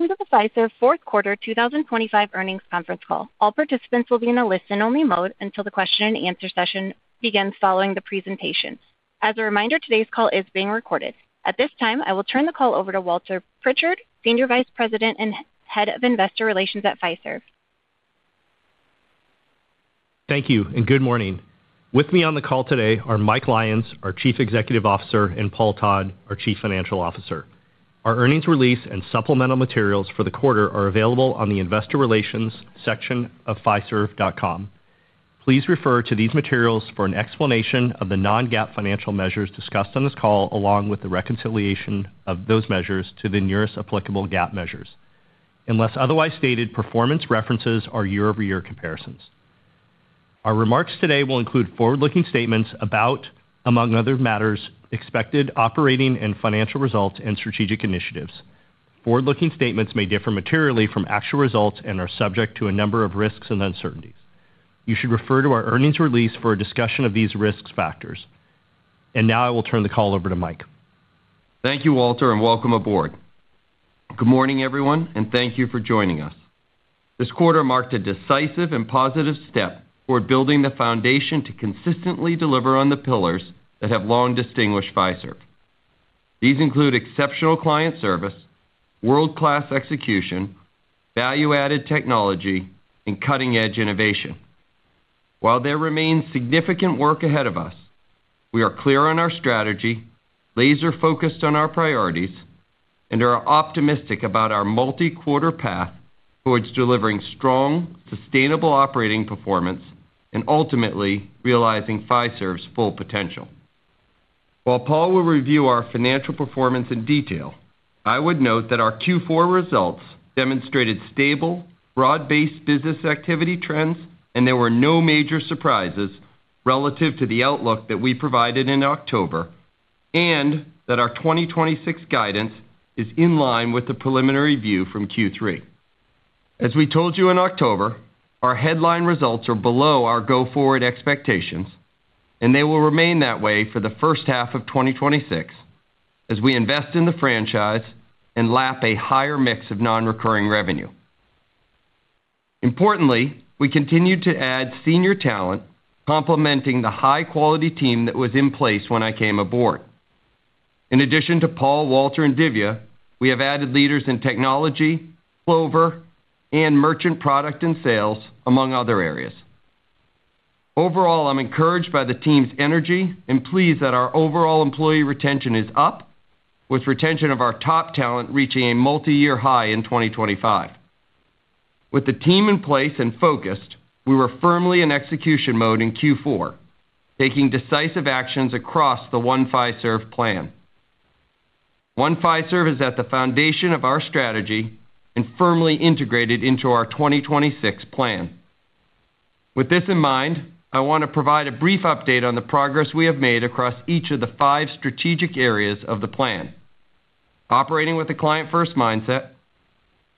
This is a Fiserv fourth quarter 2025 earnings conference call. All participants will be in a listen-only mode until the question-and-answer session begins following the presentation. As a reminder, today's call is being recorded. At this time, I will turn the call over to Walter Pritchard, Senior Vice President and Head of Investor Relations at Fiserv. Thank you and good morning. With me on the call today are Mike Lyons, our Chief Executive Officer, and Paul Todd, our Chief Financial Officer. Our earnings release and supplemental materials for the quarter are available on the Investor Relations section of Fiserv.com. Please refer to these materials for an explanation of the non-GAAP financial measures discussed on this call, along with the reconciliation of those measures to the nearest applicable GAAP measures, unless otherwise stated performance references or year-over-year comparisons. Our remarks today will include forward-looking statements about, among other matters, expected operating and financial results and strategic initiatives. Forward-looking statements may differ materially from actual results and are subject to a number of risks and uncertainties. You should refer to our earnings release for a discussion of these risk factors. And now I will turn the call over to Mike. Thank you, Walter, and welcome aboard. Good morning, everyone, and thank you for joining us. This quarter marked a decisive and positive step toward building the foundation to consistently deliver on the pillars that have long distinguished Fiserv. These include exceptional client service, world-class execution, value-added technology, and cutting-edge innovation. While there remains significant work ahead of us, we are clear on our strategy, laser-focused on our priorities, and are optimistic about our multi-quarter path towards delivering strong, sustainable operating performance and ultimately realizing Fiserv's full potential. While Paul will review our financial performance in detail, I would note that our Q4 results demonstrated stable, broad-based business activity trends, and there were no major surprises relative to the outlook that we provided in October and that our 2026 guidance is in line with the preliminary view from Q3. As we told you in October, our headline results are below our go-forward expectations, and they will remain that way for the first half of 2026 as we invest in the franchise and lap a higher mix of non-recurring revenue. Importantly, we continue to add senior talent complementing the high-quality team that was in place when I came aboard. In addition to Paul, Walter, and Dhivya, we have added leaders in technology, Clover, and merchant product and sales, among other areas. Overall, I'm encouraged by the team's energy and pleased that our overall employee retention is up, with retention of our top talent reaching a multi-year high in 2025. With the team in place and focused, we were firmly in execution mode in Q4, taking decisive actions across the One Fiserv plan. One Fiserv is at the foundation of our strategy and firmly integrated into our 2026 plan. With this in mind, I want to provide a brief update on the progress we have made across each of the five strategic areas of the plan: operating with a client-first mindset,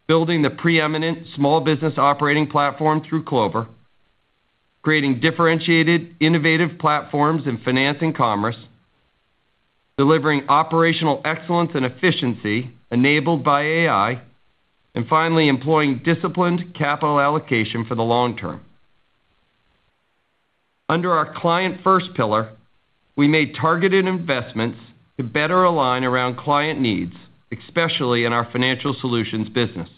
building the preeminent small business operating platform through Clover, creating differentiated, innovative platforms in finance and commerce, delivering operational excellence and efficiency enabled by AI, and finally, employing disciplined capital allocation for the long term. Under our client-first pillar, we made targeted investments to better align around client needs, especially in our Financial Solutions business.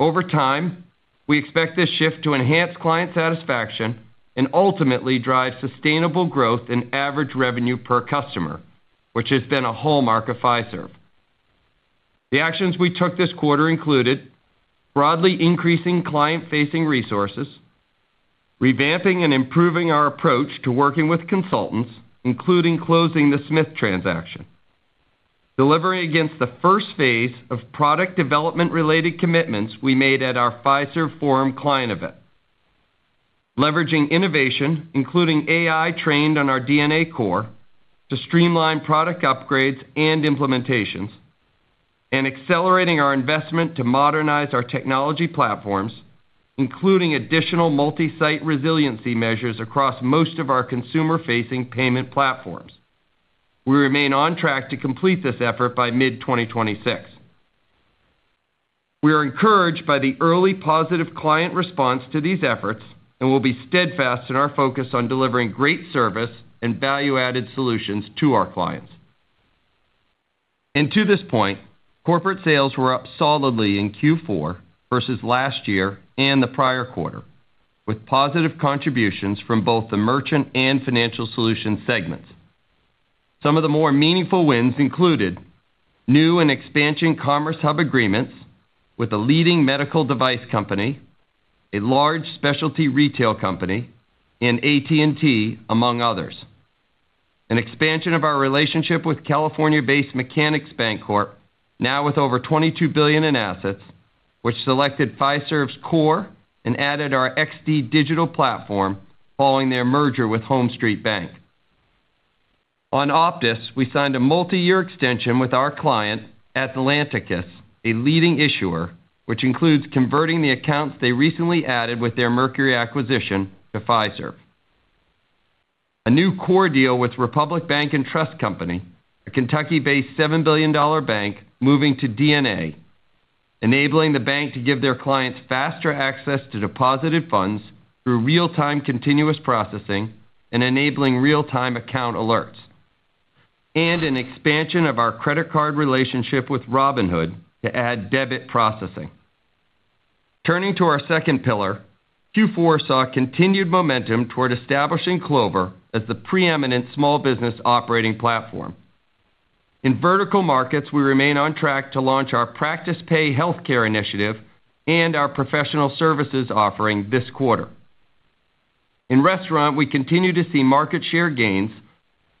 Over time, we expect this shift to enhance client satisfaction and ultimately drive sustainable growth in average revenue per customer, which has been a hallmark of Fiserv. The actions we took this quarter included broadly increasing client-facing resources, revamping and improving our approach to working with consultants, including closing the Smith transaction, delivering against the first phase of product development-related commitments we made at our Fiserv Forum client event, leveraging innovation, including AI trained on our DNA core, to streamline product upgrades and implementations, and accelerating our investment to modernize our technology platforms, including additional multi-site resiliency measures across most of our consumer-facing payment platforms. We remain on track to complete this effort by mid-2026. We are encouraged by the early positive client response to these efforts and will be steadfast in our focus on delivering great service and value-added solutions to our clients. And to this point, corporate sales were up solidly in Q4 versus last year and the prior quarter, with positive contributions from both the Merchant and Financial Solutions segments. Some of the more meaningful wins included new and expansion Commerce Hub agreements with a leading medical device company, a large specialty retail company, and AT&T, among others. An expansion of our relationship with California-based Mechanics Bancorp, now with over $22 billion in assets, which selected Fiserv's core and added our XD digital platform following their merger with HomeStreet Bank. On Optis, we signed a multi-year extension with our client, Atlanticus, a leading issuer, which includes converting the accounts they recently added with their Mercury Financial acquisition to Fiserv. A new core deal with Republic Bank & Trust Company, a Kentucky-based $7 billion bank, moving to DNA, enabling the bank to give their clients faster access to deposited funds through real-time continuous processing and enabling real-time account alerts, and an expansion of our credit card relationship with Robinhood to add debit processing. Turning to our second pillar, Q4 saw continued momentum toward establishing Clover as the preeminent small business operating platform. In vertical markets, we remain on track to launch our Practice Pay healthcare initiative and our professional services offering this quarter. In restaurant, we continue to see market share gains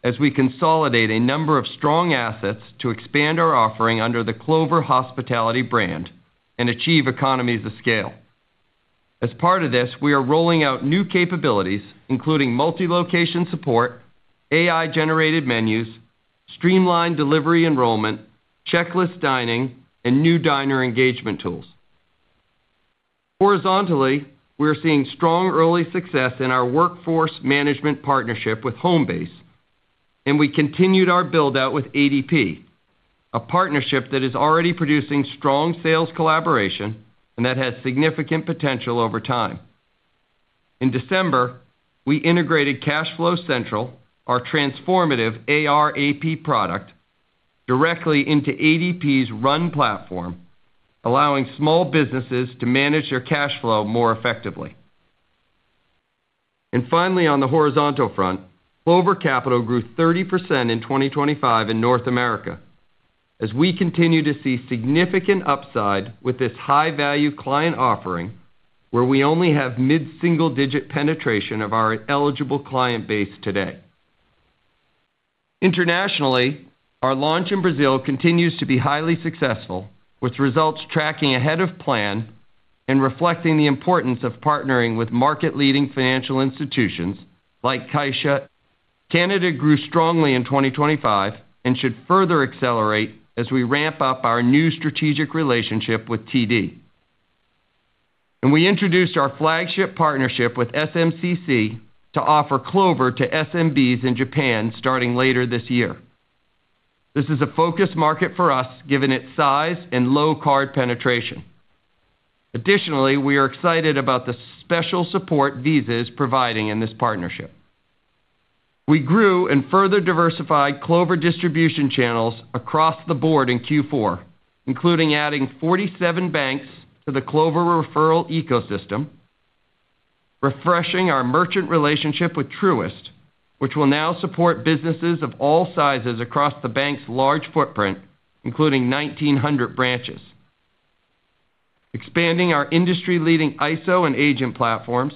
as we consolidate a number of strong assets to expand our offering under the Clover Hospitality brand and achieve economies of scale. As part of this, we are rolling out new capabilities, including multi-location support, AI-generated menus, streamlined delivery enrollment, checkless dining, and new diner engagement tools. Horizontally, we are seeing strong early success in our workforce management partnership with Homebase, and we continued our build-out with ADP, a partnership that is already producing strong sales collaboration and that has significant potential over time. In December, we integrated CashFlow Central, our transformative AR/AP product, directly into RUN Powered by ADP, allowing small businesses to manage their cash flow more effectively. Finally, on the horizontal front, Clover Capital grew 30% in 2025 in North America as we continue to see significant upside with this high-value client offering where we only have mid-single-digit penetration of our eligible client base today. Internationally, our launch in Brazil continues to be highly successful, with results tracking ahead of plan and reflecting the importance of partnering with market-leading financial institutions like Caixa. Canada grew strongly in 2025 and should further accelerate as we ramp up our new strategic relationship with TD. And we introduced our flagship partnership with SMCC to offer Clover to SMBs in Japan starting later this year. This is a focused market for us given its size and low card penetration. Additionally, we are excited about the special support Fiserv is providing in this partnership. We grew and further diversified Clover distribution channels across the board in Q4, including adding 47 banks to the Clover referral ecosystem, refreshing our merchant relationship with Truist, which will now support businesses of all sizes across the bank's large footprint, including 1,900 branches. Expanding our industry-leading ISO and agent platforms.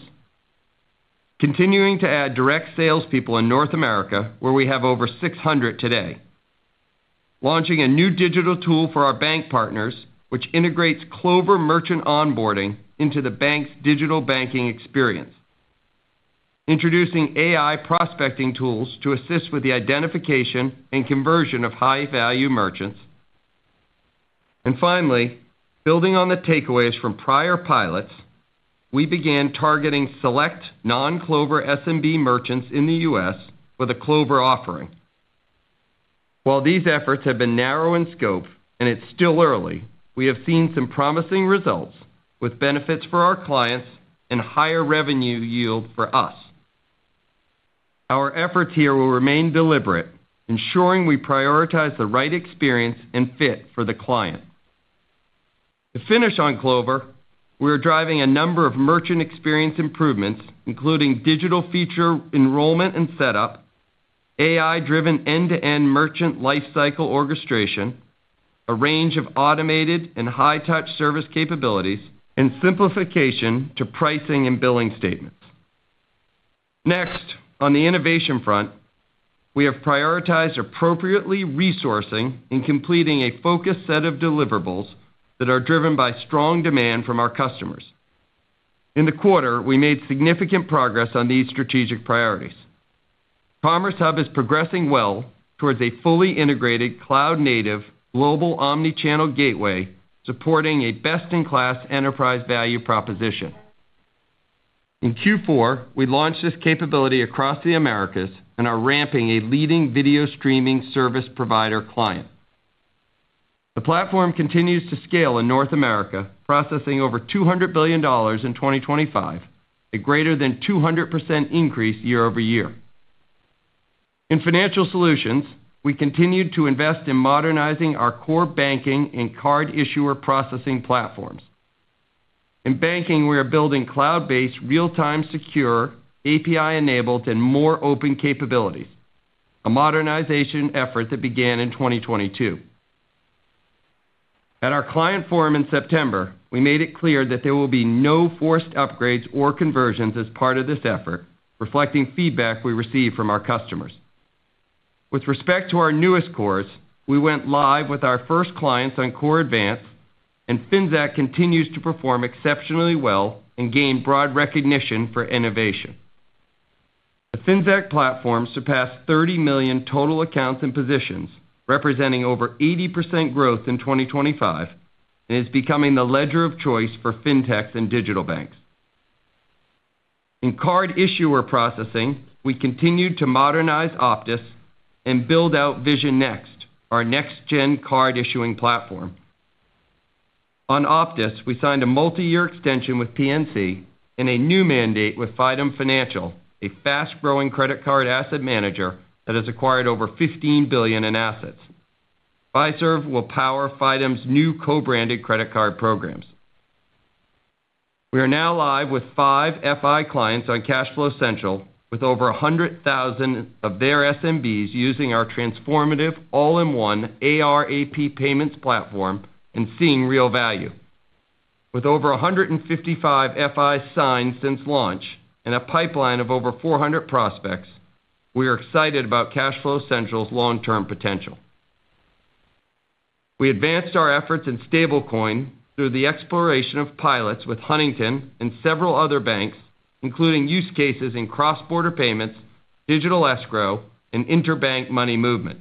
Continuing to add direct salespeople in North America, where we have over 600 today. Launching a new digital tool for our bank partners, which integrates Clover merchant onboarding into the bank's digital banking experience. Introducing AI prospecting tools to assist with the identification and conversion of high-value merchants. And finally, building on the takeaways from prior pilots, we began targeting select non-Clover SMB merchants in the U.S. with a Clover offering. While these efforts have been narrow in scope and it's still early, we have seen some promising results with benefits for our clients and higher revenue yield for us. Our efforts here will remain deliberate, ensuring we prioritize the right experience and fit for the client. To finish on Clover, we are driving a number of merchant experience improvements, including digital feature enrollment and setup, AI-driven end-to-end merchant lifecycle orchestration, a range of automated and high-touch service capabilities, and simplification to pricing and billing statements. Next, on the innovation front, we have prioritized appropriately resourcing and completing a focused set of deliverables that are driven by strong demand from our customers. In the quarter, we made significant progress on these strategic priorities. Commerce Hub is progressing well towards a fully integrated cloud-native global omnichannel gateway supporting a best-in-class enterprise value proposition. In Q4, we launched this capability across the Americas and are ramping a leading video streaming service provider client. The platform continues to scale in North America, processing over $200 billion in 2025, a greater than 200% increase year-over-year. In Financial Solutions, we continued to invest in modernizing our core banking and card issuer processing platforms. In banking, we are building cloud-based, real-time secure, API-enabled, and more open capabilities, a modernization effort that began in 2022. At our client forum in September, we made it clear that there will be no forced upgrades or conversions as part of this effort, reflecting feedback we received from our customers. With respect to our newest cores, we went live with our first clients on Core Advance, and Finxact continues to perform exceptionally well and gain broad recognition for innovation. The Finxact platform surpassed 30 million total accounts and positions, representing over 80% growth in 2025, and is becoming the ledger of choice for fintechs and digital banks. In card issuer processing, we continued to modernize Optis and build out Vision Next, our next-gen card issuing platform. On Optis, we signed a multi-year extension with PNC and a new mandate with Fidem Financial, a fast-growing credit card asset manager that has acquired over $15 billion in assets. Fiserv will power Fidem's new co-branded credit card programs. We are now live with five FI clients on CashFlow Central, with over 100,000 of their SMBs using our transformative all-in-one AR/AP payments platform and seeing real value. With over 155 FIs signed since launch and a pipeline of over 400 prospects, we are excited about CashFlow Central's long-term potential. We advanced our efforts in stablecoin through the exploration of pilots with Huntington and several other banks, including use cases in cross-border payments, digital escrow, and interbank money movement.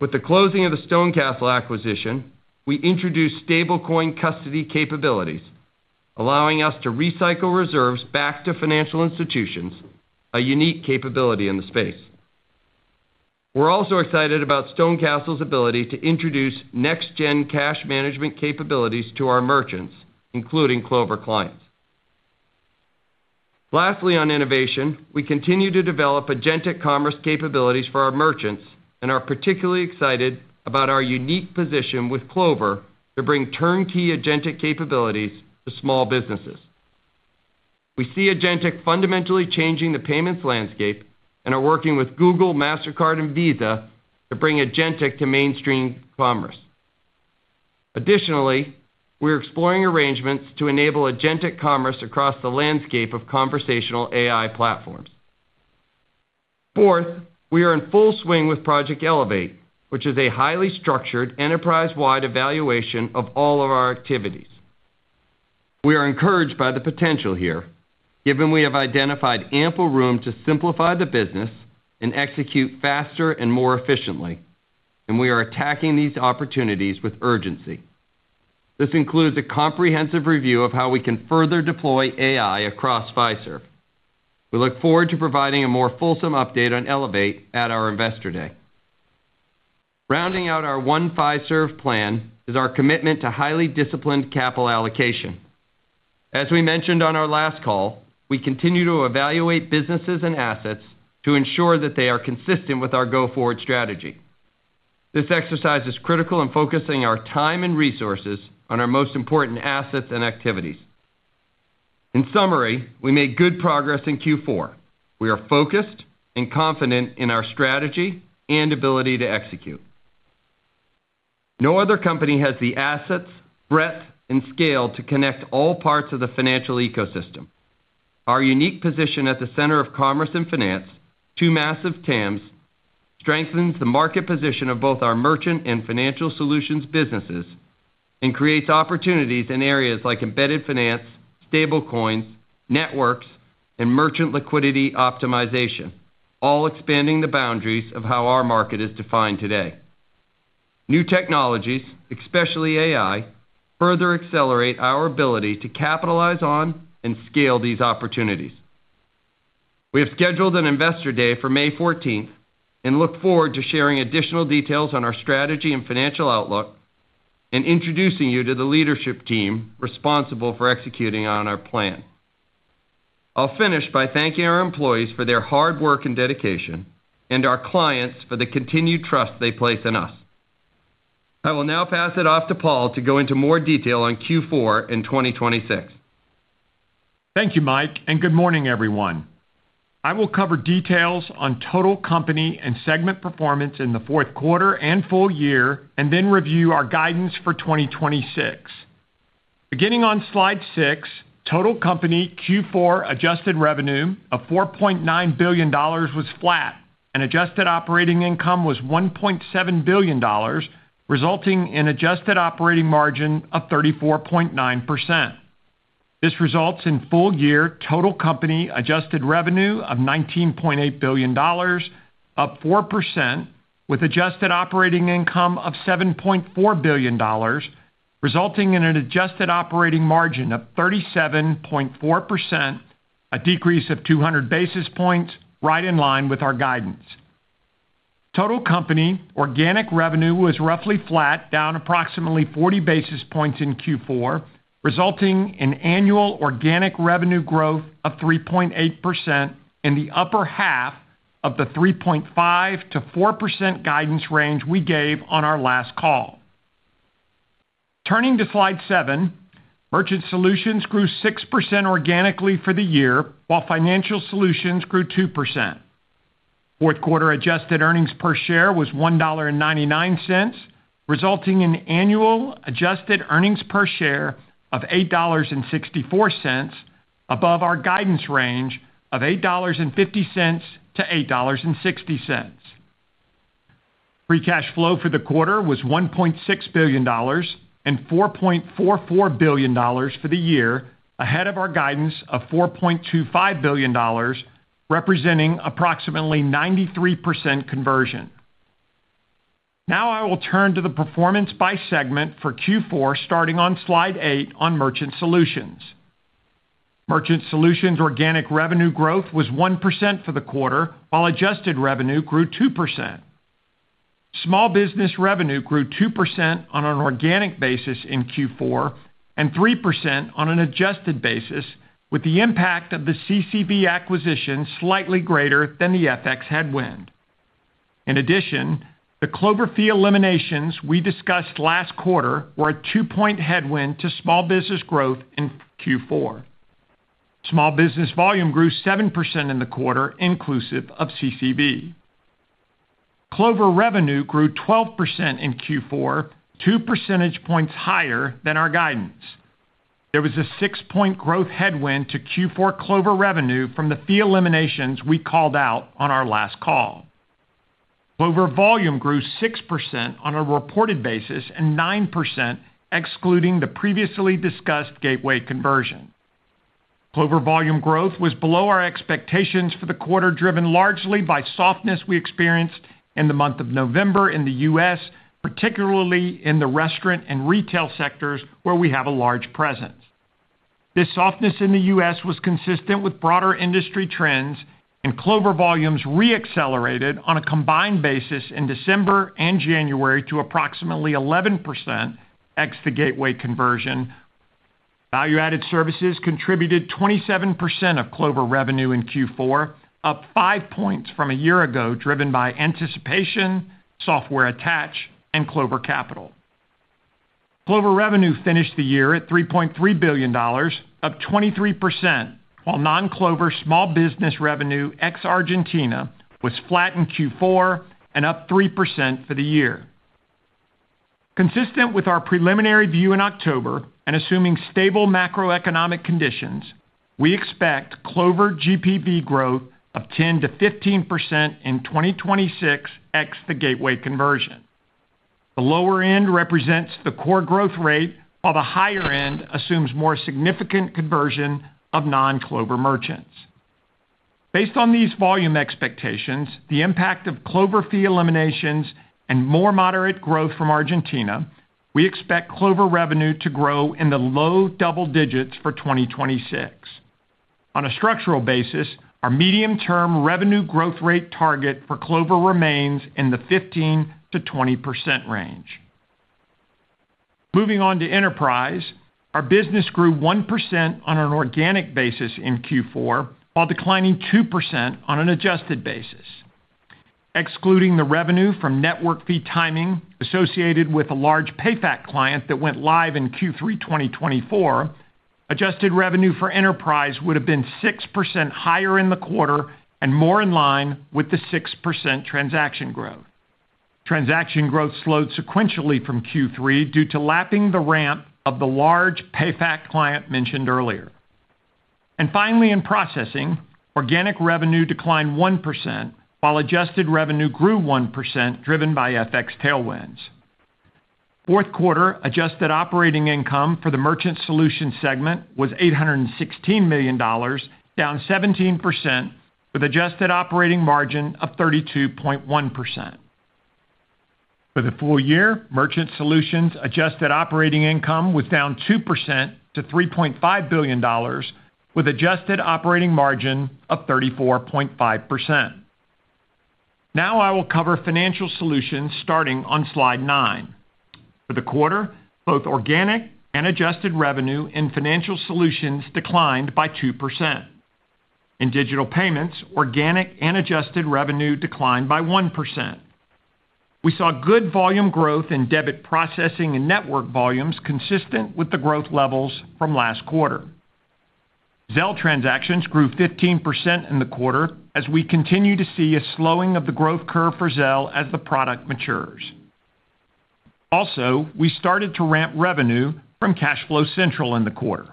With the closing of the StoneCastle acquisition, we introduced stablecoin custody capabilities, allowing us to recycle reserves back to financial institutions, a unique capability in the space. We're also excited about StoneCastle's ability to introduce next-gen cash management capabilities to our merchants, including Clover clients. Lastly, on innovation, we continue to develop agentic commerce capabilities for our merchants and are particularly excited about our unique position with Clover to bring turnkey agentic capabilities to small businesses. We see agentic fundamentally changing the payments landscape and are working with Google, Mastercard, and Visa to bring agentic to mainstream commerce. Additionally, we're exploring arrangements to enable agentic commerce across the landscape of conversational AI platforms. Fourth, we are in full swing with Project Elevate, which is a highly structured enterprise-wide evaluation of all of our activities. We are encouraged by the potential here, given we have identified ample room to simplify the business and execute faster and more efficiently, and we are attacking these opportunities with urgency. This includes a comprehensive review of how we can further deploy AI across Fiserv. We look forward to providing a more fulsome update on Elevate at our investor day. Rounding out our One Fiserv plan is our commitment to highly disciplined capital allocation. As we mentioned on our last call, we continue to evaluate businesses and assets to ensure that they are consistent with our go-forward strategy. This exercise is critical in focusing our time and resources on our most important assets and activities. In summary, we made good progress in Q4. We are focused and confident in our strategy and ability to execute. No other company has the assets, breadth, and scale to connect all parts of the financial ecosystem. Our unique position at the center of commerce and finance, two massive TAMs, strengthens the market position of both our merchant and Financial Solutions businesses and creates opportunities in areas like embedded finance, stablecoins, networks, and merchant liquidity optimization, all expanding the boundaries of how our market is defined today. New technologies, especially AI, further accelerate our ability to capitalize on and scale these opportunities. We have scheduled an investor day for May 14th and look forward to sharing additional details on our strategy and financial outlook and introducing you to the leadership team responsible for executing on our plan. I'll finish by thanking our employees for their hard work and dedication and our clients for the continued trust they place in us. I will now pass it off to Paul to go into more detail on Q4 and 2026. Thank you, Mike, and good morning, everyone. I will cover details on total company and segment performance in the fourth quarter and full year and then review our guidance for 2026. Beginning on slide six, total company Q4 adjusted revenue of $4.9 billion was flat, and adjusted operating income was $1.7 billion, resulting in adjusted operating margin of 34.9%. This results in full year total company adjusted revenue of $19.8 billion, up 4%, with adjusted operating income of $7.4 billion, resulting in an adjusted operating margin of 37.4%, a decrease of 200 basis points, right in line with our guidance. Total company organic revenue was roughly flat, down approximately 40 basis points in Q4, resulting in annual organic revenue growth of 3.8% in the upper half of the 3.5%-4% guidance range we gave on our last call. Turning to slide seven, Merchant Solutions grew 6% organically for the year, while Financial Solutions grew 2%. Fourth quarter adjusted earnings per share was $1.99, resulting in annual adjusted earnings per share of $8.64, above our guidance range of $8.50-$8.60. Free cash flow for the quarter was $1.6 billion and $4.44 billion for the year, ahead of our guidance of $4.25 billion, representing approximately 93% conversion. Now I will turn to the performance by segment for Q4 starting on slide eight on Merchant Solutions. Merchant Solutions organic revenue growth was 1% for the quarter, while adjusted revenue grew 2%. Small business revenue grew 2% on an organic basis in Q4 and 3% on an adjusted basis, with the impact of the CCV acquisition slightly greater than the FX headwind. In addition, the Clover fee eliminations we discussed last quarter were a two-point headwind to small business growth in Q4. Small business volume grew 7% in the quarter inclusive of CCV. Clover revenue grew 12% in Q4, 2 percentage points higher than our guidance. There was a six-point growth headwind to Q4 Clover revenue from the fee eliminations we called out on our last call. Clover volume grew 6% on a reported basis and 9% excluding the previously discussed gateway conversion. Clover volume growth was below our expectations for the quarter, driven largely by softness we experienced in the month of November in the U.S., particularly in the restaurant and retail sectors where we have a large presence. This softness in the U.S. was consistent with broader industry trends, and Clover volumes reaccelerated on a combined basis in December and January to approximately 11% ex the gateway conversion. Value-added services contributed 27% of Clover revenue in Q4, up five points from a year ago, driven by anticipation, software attach, and Clover Capital. Clover revenue finished the year at $3.3 billion, up 23%, while non-Clover small business revenue ex Argentina was flat in Q4 and up 3% for the year. Consistent with our preliminary view in October and assuming stable macroeconomic conditions, we expect Clover GPV growth of 10%-15% in 2026 ex the gateway conversion. The lower end represents the core growth rate, while the higher end assumes more significant conversion of non-Clover merchants. Based on these volume expectations, the impact of Clover fee eliminations and more moderate growth from Argentina, we expect Clover revenue to grow in the low double digits for 2026. On a structural basis, our medium-term revenue growth rate target for Clover remains in the 15%-20% range. Moving on to enterprise, our business grew 1% on an organic basis in Q4, while declining 2% on an adjusted basis. Excluding the revenue from network fee timing associated with a large PayFac client that went live in Q3 2024, adjusted revenue for enterprise would have been 6% higher in the quarter and more in line with the 6% transaction growth. Transaction growth slowed sequentially from Q3 due to lapping the ramp of the large PayFac client mentioned earlier. Finally, in processing, organic revenue declined 1%, while adjusted revenue grew 1%, driven by FX tailwinds. Fourth quarter adjusted operating income for the Merchant Solutions segment was $816 million, down 17%, with adjusted operating margin of 32.1%. For the full year, Merchant Solutions adjusted operating income was down 2% to $3.5 billion, with adjusted operating margin of 34.5%. Now I will cover Financial Solutions starting on slide nine. For the quarter, both organic and adjusted revenue in Financial Solutions declined by 2%. In digital payments, organic and adjusted revenue declined by 1%. We saw good volume growth in debit processing and network volumes, consistent with the growth levels from last quarter. Zelle transactions grew 15% in the quarter as we continue to see a slowing of the growth curve for Zelle as the product matures. Also, we started to ramp revenue from CashFlow Central in the quarter.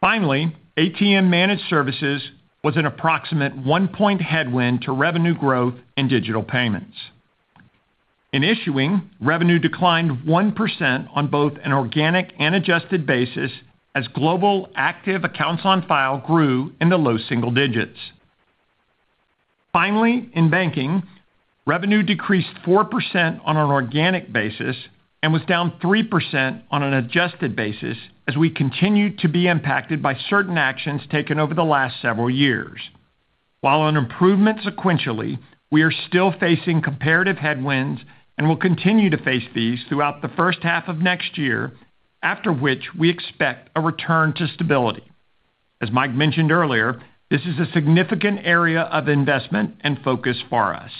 Finally, ATM managed services was an approximate one-point headwind to revenue growth in digital payments. In issuing, revenue declined 1% on both an organic and adjusted basis as global active accounts on file grew in the low single digits. Finally, in banking, revenue decreased 4% on an organic basis and was down 3% on an adjusted basis as we continue to be impacted by certain actions taken over the last several years. While an improvement sequentially, we are still facing comparative headwinds and will continue to face these throughout the first half of next year, after which we expect a return to stability. As Mike mentioned earlier, this is a significant area of investment and focus for us.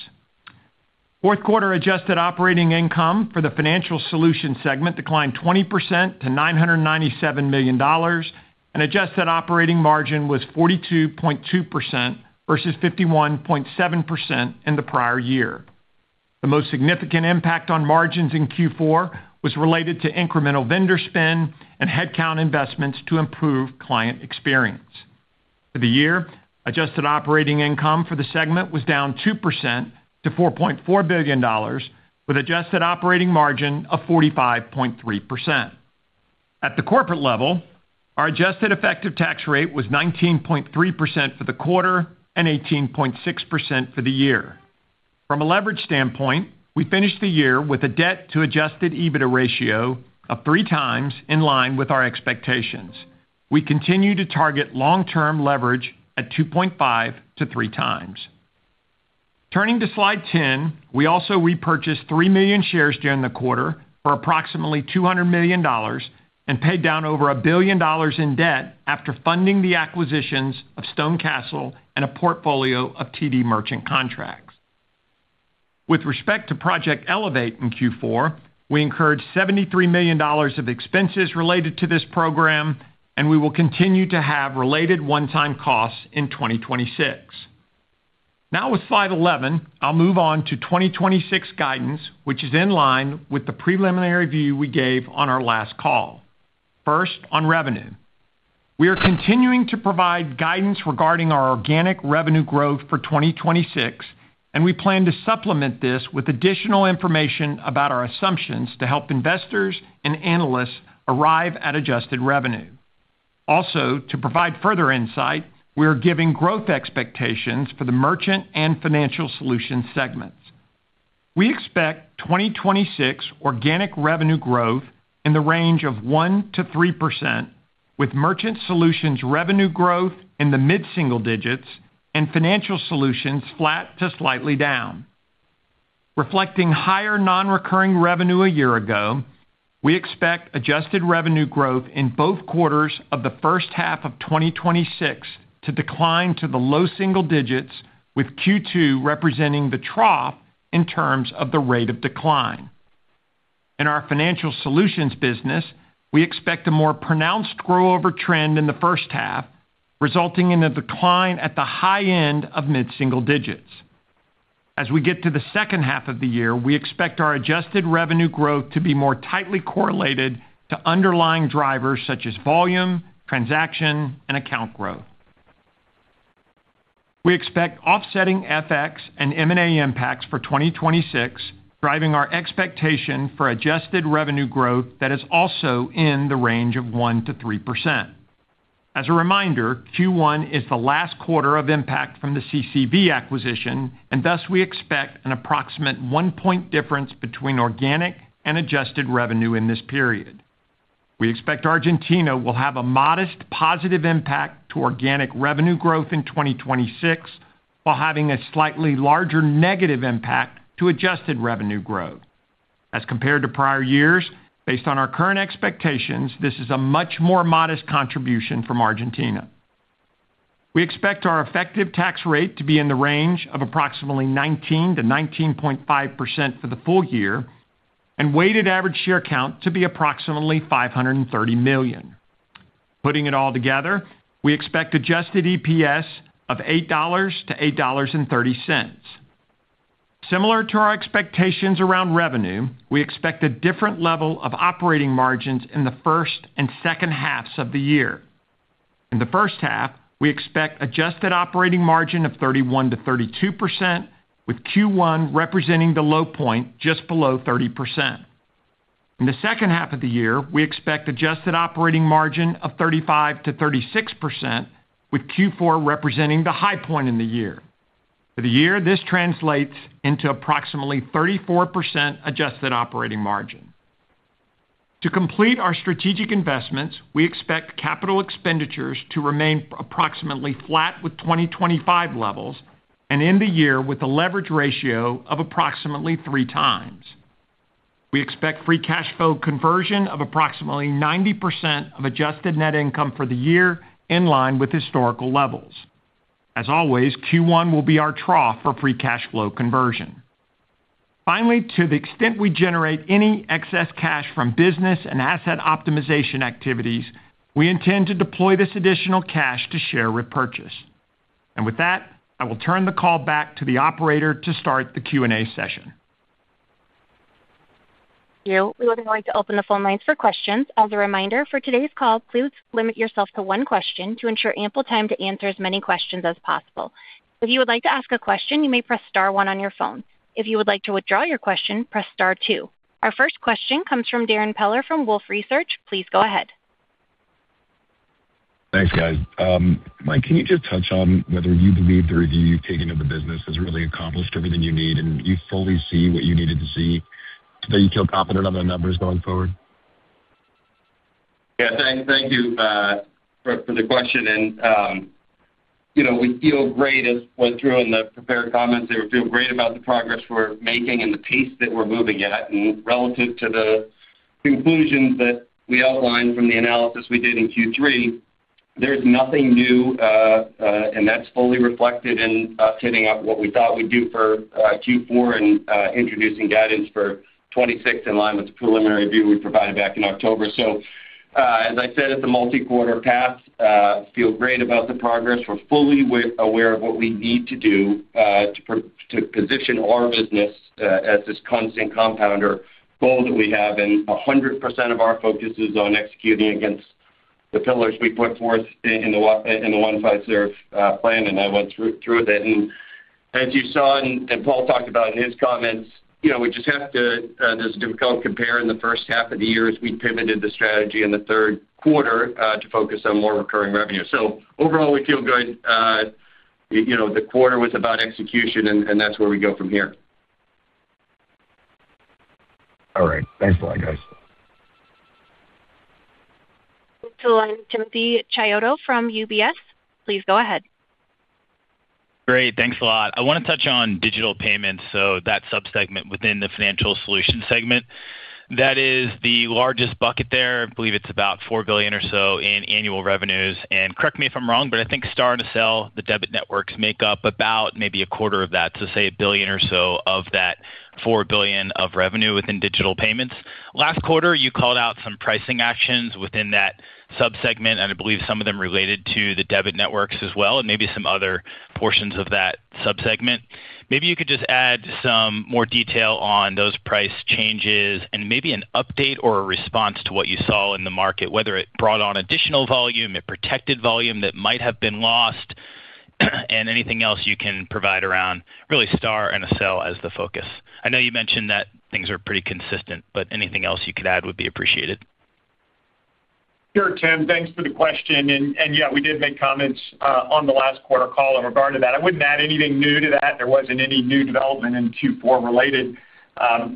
Fourth quarter adjusted operating income for the Financial Solutions segment declined 20% to $997 million, and adjusted operating margin was 42.2% versus 51.7% in the prior year. The most significant impact on margins in Q4 was related to incremental vendor spend and headcount investments to improve client experience. For the year, adjusted operating income for the segment was down 2% to $4.4 billion, with adjusted operating margin of 45.3%. At the corporate level, our adjusted effective tax rate was 19.3% for the quarter and 18.6% for the year. From a leverage standpoint, we finished the year with a debt-to-adjusted EBITDA ratio of 3x in line with our expectations. We continue to target long-term leverage at 2.5x-3x. Turning to slide 10, we also repurchased 3 million shares during the quarter for approximately $200 million and paid down over $1 billion in debt after funding the acquisitions of StoneCastle and a portfolio of TD merchant contracts. With respect to Project Elevate in Q4, we incurred $73 million of expenses related to this program, and we will continue to have related one-time costs in 2026. Now with slide 11, I'll move on to 2026 guidance, which is in line with the preliminary view we gave on our last call. First, on revenue. We are continuing to provide guidance regarding our organic revenue growth for 2026, and we plan to supplement this with additional information about our assumptions to help investors and analysts arrive at adjusted revenue. Also, to provide further insight, we are giving growth expectations for the Merchant and Financial Solutions segments. We expect 2026 organic revenue growth in the range of 1%-3%, with Merchant Solutions revenue growth in the mid-single digits and Financial Solutions flat to slightly down. Reflecting higher non-recurring revenue a year ago, we expect adjusted revenue growth in both quarters of the first half of 2026 to decline to the low single digits, with Q2 representing the trough in terms of the rate of decline. In our Financial Solutions business, we expect a more pronounced growover trend in the first half, resulting in a decline at the high end of mid-single digits. As we get to the second half of the year, we expect our adjusted revenue growth to be more tightly correlated to underlying drivers such as volume, transaction, and account growth. We expect offsetting FX and M&A impacts for 2026, driving our expectation for adjusted revenue growth that is also in the range of 1%-3%. As a reminder, Q1 is the last quarter of impact from the CCV acquisition, and thus we expect an approximate 1-point difference between organic and adjusted revenue in this period. We expect Argentina will have a modest positive impact to organic revenue growth in 2026, while having a slightly larger negative impact to adjusted revenue growth. As compared to prior years, based on our current expectations, this is a much more modest contribution from Argentina. We expect our effective tax rate to be in the range of approximately 19%-19.5% for the full year, and weighted average share count to be approximately 530 million. Putting it all together, we expect adjusted EPS of $8-$8.30. Similar to our expectations around revenue, we expect a different level of operating margins in the first and second halves of the year. In the first half, we expect adjusted operating margin of 31%-32%, with Q1 representing the low point just below 30%. In the second half of the year, we expect adjusted operating margin of 35%-36%, with Q4 representing the high point in the year. For the year, this translates into approximately 34% adjusted operating margin. To complete our strategic investments, we expect capital expenditures to remain approximately flat with 2025 levels and end the year with a leverage ratio of approximately 3x. We expect free cash flow conversion of approximately 90% of adjusted net income for the year in line with historical levels. As always, Q1 will be our trough for free cash flow conversion. Finally, to the extent we generate any excess cash from business and asset optimization activities, we intend to deploy this additional cash to share repurchase. And with that, I will turn the call back to the operator to start the Q&A session. Thank you. We would like to open the phone lines for questions. As a reminder, for today's call, please limit yourself to one question to ensure ample time to answer as many questions as possible. If you would like to ask a question, you may press star one on your phone. If you would like to withdraw your question, press star two. Our first question comes from Darrin Peller from Wolfe Research. Please go ahead. Thanks, guys. Mike, can you just touch on whether you believe the review you've taken of the business has really accomplished everything you need, and you fully see what you needed to see? Are you still confident on the numbers going forward? Yeah. Thank you for the question. And, you know, we feel great as we went through in the prepared comments. We feel great about the progress we're making and the pace that we're moving at. And relative to the conclusions that we outlined from the analysis we did in Q3, there's nothing new, and that's fully reflected in hitting what we thought we'd do for Q4 and introducing guidance for 2026 in line with the preliminary view we provided back in October. So, as I said, it's a multi-quarter path. We feel great about the progress. We're fully aware of what we need to do to position our business as this constant compounder goal that we have. And 100% of our focus is on executing against the pillars we put forth in the One Fiserv plan. And I went through with it. As you saw, and Paul talked about in his comments, you know, we just have to—there's a difficult compare. In the first half of the years, we pivoted the strategy in the third quarter, to focus on more recurring revenue. Overall, we feel good. You know, the quarter was about execution, and that's where we go from here. All right. Thanks a lot, guys. the line with Timothy Chiodo from UBS. Please go ahead. Great. Thanks a lot. I wanna touch on digital payments, so that subsegment within the Financial Solutions segment. That is the largest bucket there. I believe it's about $4 billion or so in annual revenues. And correct me if I'm wrong, but I think Star and Accel, the debit networks, make up about maybe a quarter of that, so say $1 billion or so of that $4 billion of revenue within digital payments. Last quarter, you called out some pricing actions within that subsegment, and I believe some of them related to the debit networks as well and maybe some other portions of that subsegment. Maybe you could just add some more detail on those price changes and maybe an update or a response to what you saw in the market, whether it brought on additional volume, it protected volume that might have been lost, and anything else you can provide around really Star and Accel as the focus. I know you mentioned that things are pretty consistent, but anything else you could add would be appreciated. Sure, Tim. Thanks for the question. And yeah, we did make comments on the last quarter call in regard to that. I wouldn't add anything new to that. There wasn't any new development in Q4 related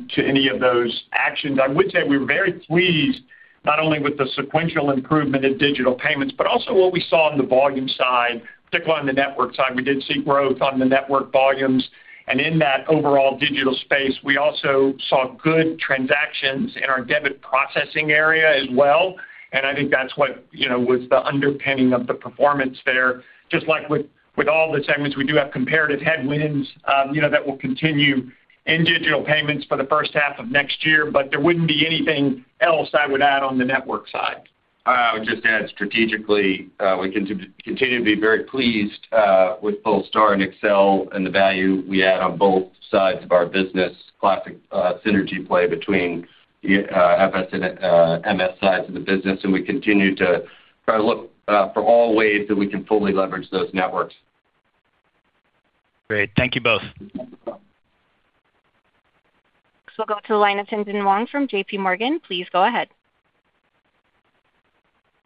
to any of those actions. I would say we were very pleased not only with the sequential improvement in digital payments but also what we saw on the volume side, particularly on the network side. We did see growth on the network volumes. And in that overall digital space, we also saw good transactions in our debit processing area as well. And I think that's what, you know, was the underpinning of the performance there. Just like with all the segments, we do have comparative headwinds, you know, that will continue in digital payments for the first half of next year. But there wouldn't be anything else I would add on the network side. I would just add, strategically, we continue to be very pleased with both Star and Accel and the value we add on both sides of our business, classic synergy play between our FS and MS sides of the business. And we continue to try to look for all ways that we can fully leverage those networks. Great. Thank you both. We'll go to the line of Tien-tsin Huang from J.P. Morgan. Please go ahead.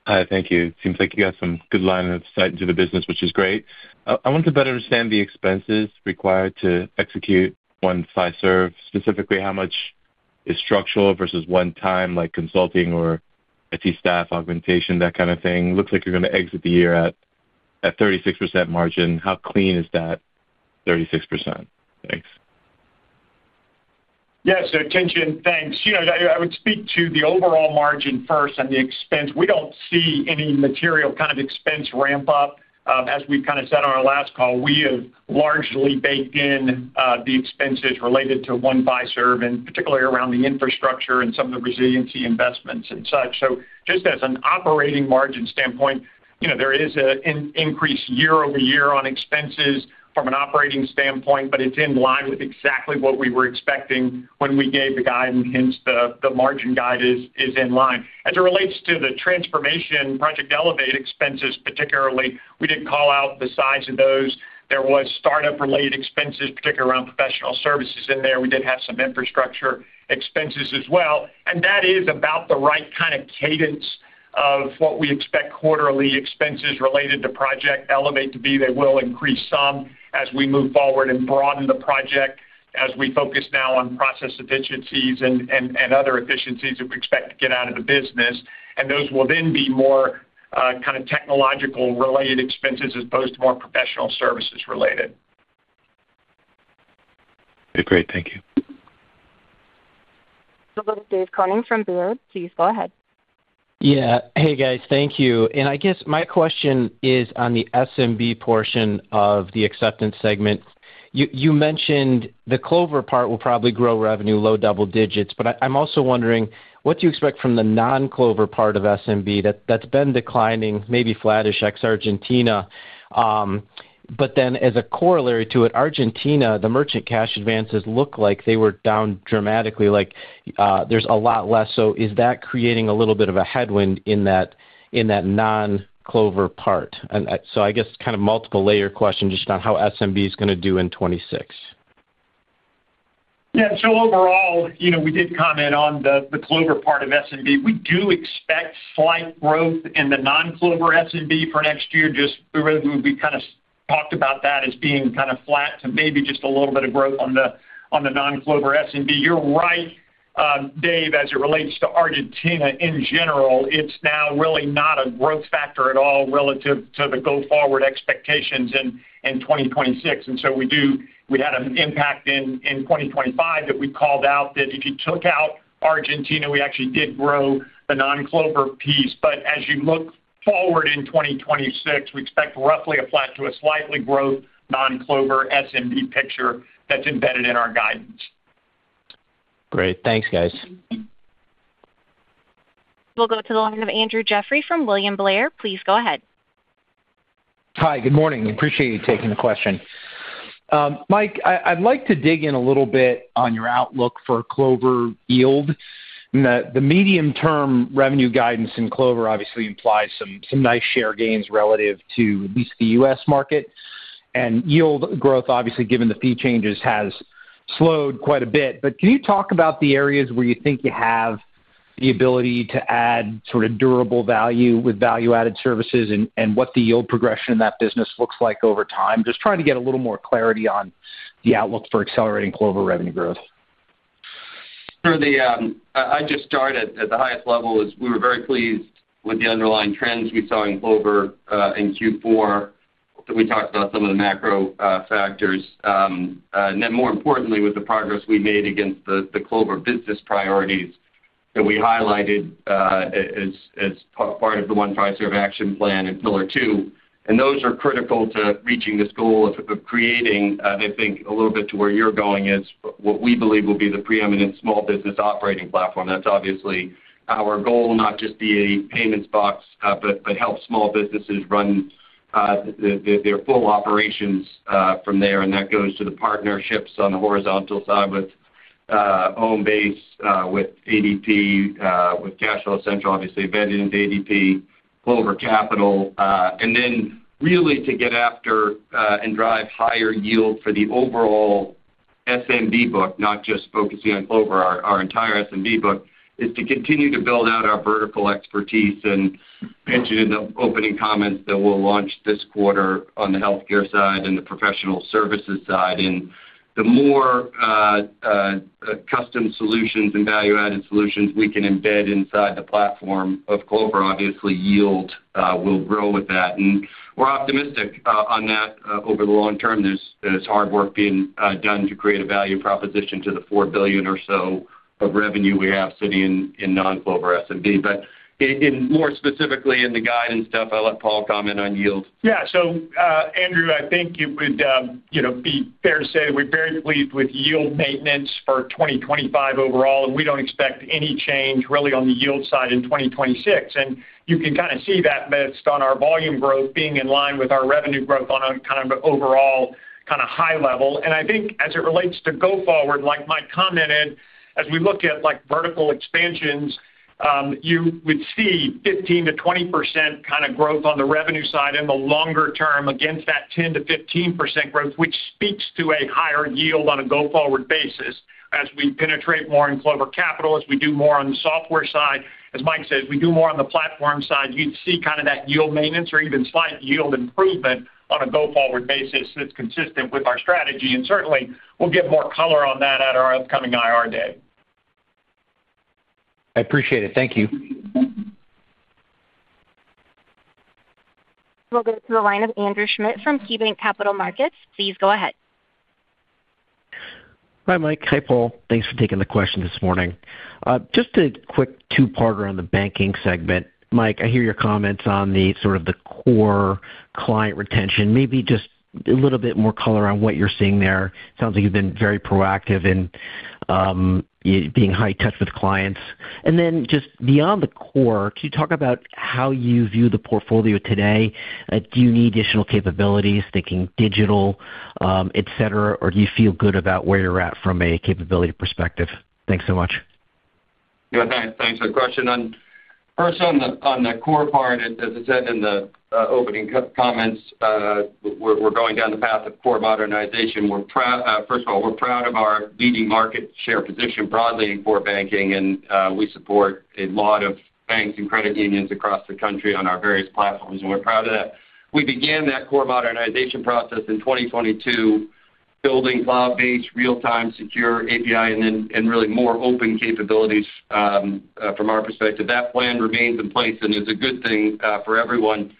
Hi. Thank you. Seems like you got some good line of sight into the business, which is great. I want to better understand the expenses required to execute One Fiserv. Specifically, how much is structural versus one-time, like consulting or IT staff augmentation, that kind of thing? Looks like you're gonna exit the year at 36% margin. How clean is that 36%? Thanks. Yeah. So Tien-tsin, thanks. You know, I would speak to the overall margin first and the expense. We don't see any material kind of expense ramp-up, as we kinda said on our last call. We have largely baked in the expenses related to One Fiserv, and particularly around the infrastructure and some of the resiliency investments and such. So just as an operating margin standpoint, you know, there is an increase year-over-year on expenses from an operating standpoint, but it's in line with exactly what we were expecting when we gave the guidance. Hence, the margin guide is in line. As it relates to the transformation, Project Elevate expenses particularly, we did call out the size of those. There was startup-related expenses, particularly around professional services in there. We did have some infrastructure expenses as well. That is about the right kind of cadence of what we expect quarterly expenses related to Project Elevate to be. They will increase some as we move forward and broaden the project as we focus now on process efficiencies and other efficiencies that we expect to get out of the business. Those will then be more, kind of technological-related expenses as opposed to more professional services-related. Yeah. Great. Thank you. This is Dave Koning from Baird. Please go ahead. Yeah. Hey, guys. Thank you. And I guess my question is on the SMB portion of the acceptance segment. You mentioned the Clover part will probably grow revenue, low double digits. But I'm also wondering, what do you expect from the non-Clover part of SMB that's been declining, maybe flattish, ex-Argentina? But then as a corollary to it, Argentina, the merchant cash advances look like they were down dramatically. Like, there's a lot less. So is that creating a little bit of a headwind in that non-Clover part? And so I guess kind of multiple-layer question just on how SMB's gonna do in 2026. Yeah. So overall, you know, we did comment on the Clover part of SMB. We do expect slight growth in the non-Clover SMB for next year. Just we really we kinda talked about that as being kinda flat to maybe just a little bit of growth on the non-Clover SMB. You're right, Dave, as it relates to Argentina in general. It's now really not a growth factor at all relative to the go-forward expectations in 2026. And so we had an impact in 2025 that we called out that if you took out Argentina, we actually did grow the non-Clover piece. But as you look forward in 2026, we expect roughly a flat to a slightly growth non-Clover SMB picture that's embedded in our guidance. Great. Thanks, guys. We'll go to the line of Andrew Jeffrey from William Blair. Please go ahead. Hi. Good morning. Appreciate you taking the question. Mike, I'd like to dig in a little bit on your outlook for Clover yield. The medium-term revenue guidance in Clover obviously implies some nice share gains relative to at least the U.S. market. Yield growth, obviously, given the fee changes, has slowed quite a bit. But can you talk about the areas where you think you have the ability to add sort of durable value with value-added services and what the yield progression in that business looks like over time? Just trying to get a little more clarity on the outlook for accelerating Clover revenue growth. Sure. I just started at the highest level is we were very pleased with the underlying trends we saw in Clover, in Q4. We talked about some of the macro factors. And then more importantly, with the progress we made against the Clover business priorities that we highlighted, as part of the One Fiserv action plan and pillar two. And those are critical to reaching this goal of creating I think, a little bit to where you're going is what we believe will be the preeminent small business operating platform. That's obviously our goal, not just be a payments box, but help small businesses run their full operations from there. And that goes to the partnerships on the horizontal side with Homebase, with ADP, with CashFlow Central, obviously, embedded into ADP, Clover Capital. And then really to get after, and drive higher yield for the overall SMB book, not just focusing on Clover, our, our entire SMB book, is to continue to build out our vertical expertise and mentioned in the opening comments that we'll launch this quarter on the healthcare side and the professional services side. And the more, custom solutions and value-added solutions we can embed inside the platform of Clover, obviously, yield, will grow with that. And we're optimistic, on that, over the long term. There's, there's hard work being, done to create a value proposition to the $4 billion or so of revenue we have sitting in, in non-Clover SMB. But in more specifically in the guide and stuff, I'll let Paul comment on yield. Yeah. So, Andrew, I think it would, you know, be fair to say that we're very pleased with yield maintenance for 2025 overall. And we don't expect any change really on the yield side in 2026. And you can kinda see that based on our volume growth being in line with our revenue growth on a kind of overall kinda high level. And I think as it relates to go-forward, like Mike commented, as we look at, like, vertical expansions, you would see 15%-20% kinda growth on the revenue side in the longer term against that 10%-15% growth, which speaks to a higher yield on a go-forward basis as we penetrate more in Clover Capital, as we do more on the software side. As Mike says, we do more on the platform side. You'd see kinda that yield maintenance or even slight yield improvement on a go-forward basis that's consistent with our strategy. Certainly, we'll get more color on that at our upcoming IR day. I appreciate it. Thank you. We'll go to the line of Andrew Schmidt from KeyBanc Capital Markets. Please go ahead. Hi, Mike. Hi, Paul. Thanks for taking the question this morning. Just a quick two-parter on the banking segment. Mike, I hear your comments on the sort of the core client retention. Maybe just a little bit more color on what you're seeing there. Sounds like you've been very proactive in being high touch with clients. And then just beyond the core, can you talk about how you view the portfolio today? Do you need additional capabilities, thinking digital, etc., or do you feel good about where you're at from a capability perspective? Thanks so much. Yeah. Thanks. Thanks for the question. First, on the core part, as I said in the opening comments, we're going down the path of core modernization. We're proud first of all, we're proud of our leading market share position broadly in core banking. And we support a lot of banks and credit unions across the country on our various platforms. And we're proud of that. We began that core modernization process in 2022 building cloud-based, real-time, secure API, and then really more open capabilities, from our perspective. That plan remains in place and is a good thing for everyone.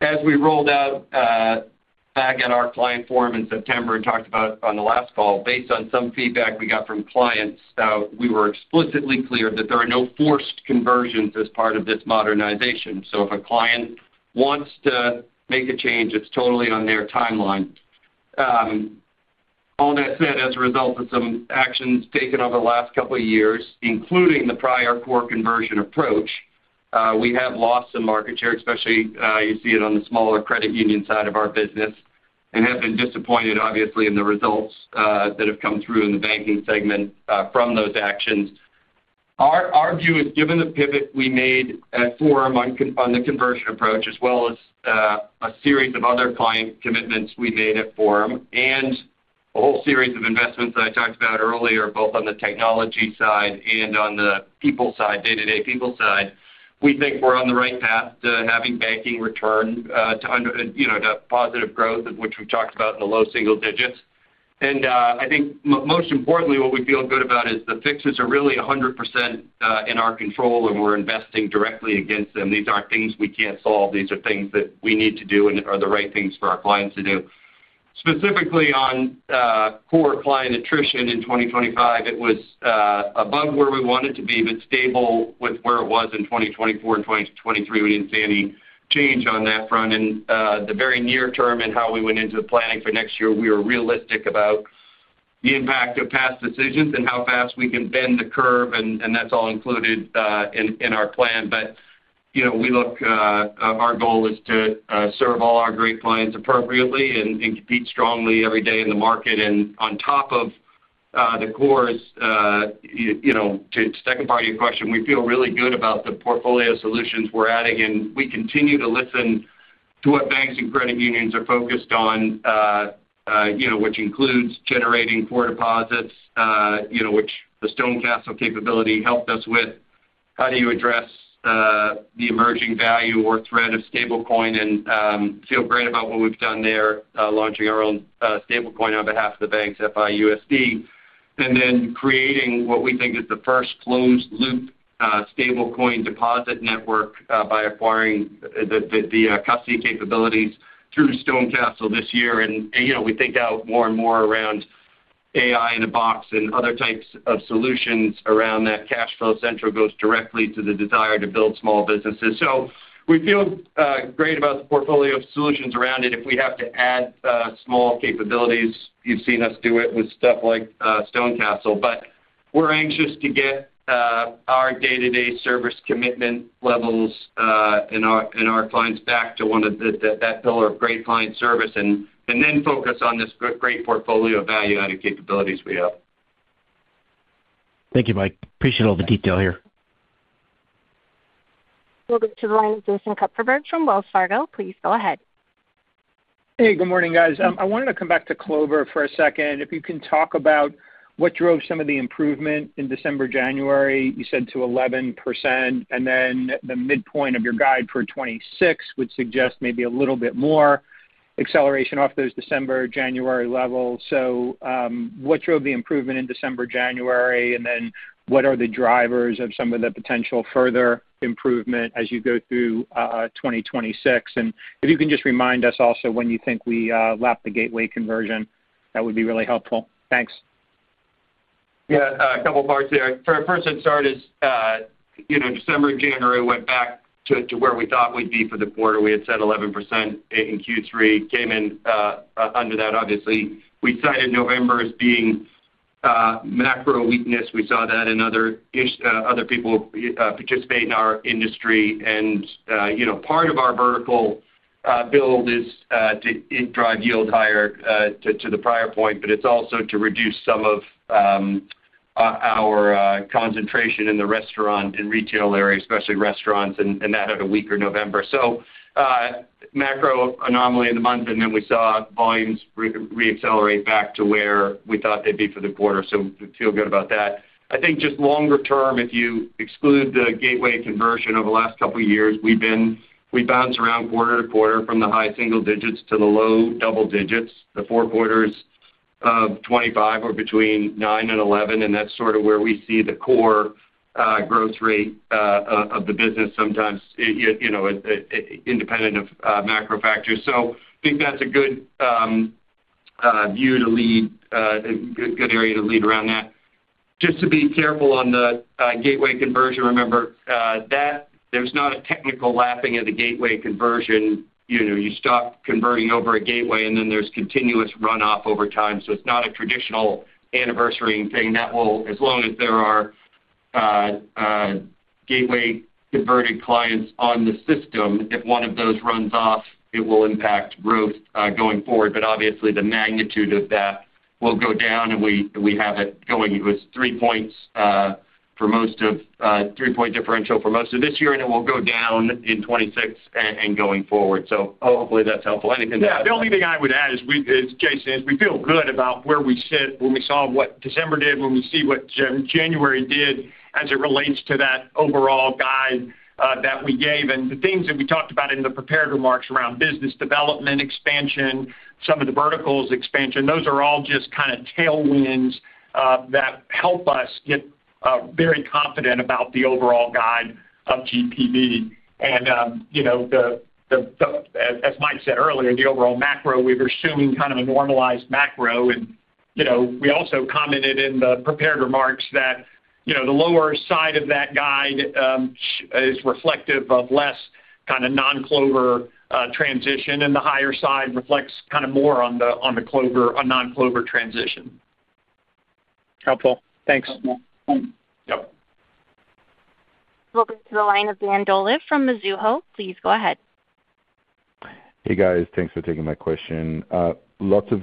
As we rolled out back at our client forum in September and talked about on the last call, based on some feedback we got from clients, we were explicitly clear that there are no forced conversions as part of this modernization. So if a client wants to make a change, it's totally on their timeline. All that said, as a result of some actions taken over the last couple of years, including the prior core conversion approach, we have lost some market share, especially you see it on the smaller credit union side of our business, and have been disappointed, obviously, in the results that have come through in the banking segment, from those actions. Our view is, given the pivot we made at Forum on the conversion approach, as well as a series of other client commitments we made at Forum and a whole series of investments that I talked about earlier, both on the technology side and on the people side, day-to-day people side, we think we're on the right path to having banking return to, you know, positive growth, of which we've talked about in the low single digits. I think most importantly, what we feel good about is the fixes are really 100% in our control, and we're investing directly against them. These aren't things we can't solve. These are things that we need to do and are the right things for our clients to do. Specifically on core client attrition in 2025, it was above where we wanted to be but stable with where it was in 2024 and 2023. We didn't see any change on that front. And the very near term and how we went into the planning for next year, we were realistic about the impact of past decisions and how fast we can bend the curve. And that's all included in our plan. But you know, we look our goal is to serve all our great clients appropriately and compete strongly every day in the market. And on top of the cores, you know, to the second part of your question, we feel really good about the portfolio solutions we're adding. And we continue to listen to what banks and credit unions are focused on, you know, which includes generating core deposits, you know, which the StoneCastle capability helped us with. How do you address the emerging value or threat of stablecoin, and feel great about what we've done there, launching our own stablecoin on behalf of the banks, FIUSD, and then creating what we think is the first closed-loop stablecoin deposit network by acquiring the custody capabilities through StoneCastle this year? And you know, we think out more and more around AI in a box and other types of solutions around that. CashFlow Central goes directly to the desire to build small businesses. So we feel great about the portfolio of solutions around it. If we have to add small capabilities, you've seen us do it with stuff like StoneCastle. We're anxious to get our day-to-day service commitment levels and our clients back to one of the, that pillar of great client service and then focus on this great portfolio of value-added capabilities we have. Thank you, Mike. Appreciate all the detail here. We'll go to the line of Jason Kupferberg from Wells Fargo. Please go ahead. Hey. Good morning, guys. I wanted to come back to Clover for a second. If you can talk about what drove some of the improvement in December, January, you said to 11%. And then the midpoint of your guide for 2026 would suggest maybe a little bit more acceleration off those December, January levels. So, what drove the improvement in December, January? And then what are the drivers of some of the potential further improvement as you go through 2026? And if you can just remind us also when you think we lapped the gateway conversion, that would be really helpful. Thanks. Yeah. A couple parts there. For us to start, you know, December, January went back to where we thought we'd be for the quarter. We had said 11% in Q3, came in under that, obviously. We cited November as being macro weakness. We saw that in others, other people who participate in our industry. And, you know, part of our vertical build is to drive yield higher, to the prior point. But it's also to reduce some of our concentration in the restaurant and retail area, especially restaurants, and that had a weaker November. So, macro anomaly in the month. And then we saw volumes re-accelerate back to where we thought they'd be for the quarter. So we feel good about that. I think just longer term, if you exclude the gateway conversion over the last couple of years, we've been bouncing around quarter to quarter from the high single digits to the low double digits. The four quarters of 2025 were between 9%-11%. And that's sort of where we see the core growth rate of the business sometimes, you know, independent of macro factors. So I think that's a good view to lead a good area to lead around that. Just to be careful on the gateway conversion, remember that there's not a technical lapping of the gateway conversion. You know, you stop converting over a gateway, and then there's continuous runoff over time. So it's not a traditional anniversary thing. That will as long as there are gateway converted clients on the system, if one of those runs off, it will impact growth going forward. But obviously, the magnitude of that will go down. And we have it going. It was three points for most of three-point differential for most of this year. And it will go down in 2026 and going forward. So hopefully, that's helpful. Anything to add? Yeah. The only thing I would add is we as, Jason is we feel good about where we sit, when we saw what December did, when we see what January did as it relates to that overall guide that we gave. And the things that we talked about in the prepared remarks around business development, expansion, some of the verticals expansion, those are all just kinda tailwinds that help us get very confident about the overall guide of GPV. And, you know, the, as Mike said earlier, the overall macro, we're assuming kind of a normalized macro. And, you know, we also commented in the prepared remarks that, you know, the lower side of that guide is reflective of less kinda non-Clover transition. And the higher side reflects kinda more on the Clover non-Clover transition. Helpful. Thanks. Yep. We'll go to the line of Dan Dolev from Mizuho. Please go ahead. Hey, guys. Thanks for taking my question. Lots of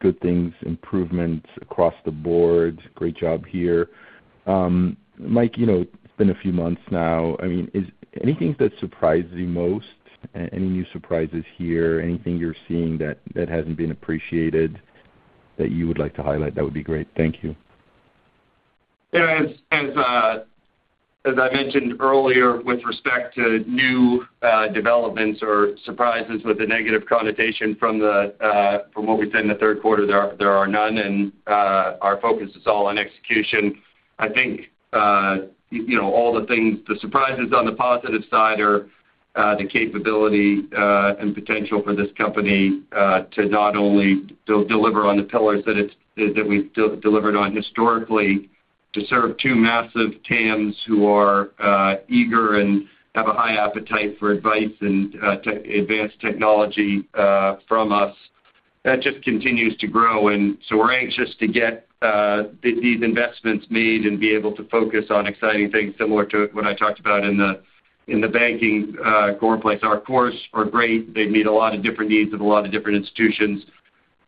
good things, improvements across the board. Great job here. Mike, you know, it's been a few months now. I mean, is anything that surprised you most, any new surprises here, anything you're seeing that hasn't been appreciated that you would like to highlight? That would be great. Thank you. Yeah. As I mentioned earlier with respect to new developments or surprises with a negative connotation from what we've said in the third quarter, there are none. Our focus is all on execution. I think, you know, all the things the surprises on the positive side are, the capability and potential for this company to not only deliver on the pillars that we've delivered on historically, to serve two massive TAMs who are eager and have a high appetite for advice and the advanced technology from us. That just continues to grow. And so we're anxious to get these investments made and be able to focus on exciting things similar to what I talked about in the banking core space. Our cores are great. They meet a lot of different needs of a lot of different institutions.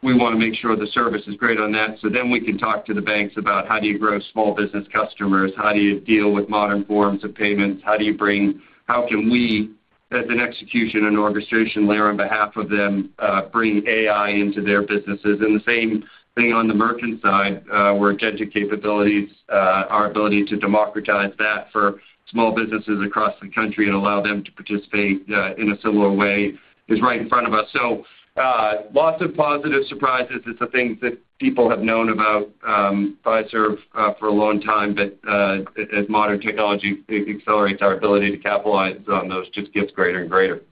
We wanna make sure the service is great on that. So then we can talk to the banks about, how do you grow small business customers? How do you deal with modern forms of payments? How do you bring how can we, as an execution and orchestration layer on behalf of them, bring AI into their businesses? And the same thing on the merchant side, where agentic capabilities, our ability to democratize that for small businesses across the country and allow them to participate, in a similar way is right in front of us. So, lots of positive surprises. It's the things that people have known about, Fiserv, for a long time. But, as modern technology accelerates our ability to capitalize on those, just gets greater and greater.